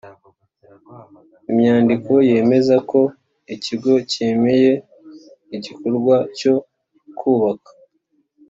Inyandiko yemeza ko Ikigo cyemeye igikorwa cyo kubaka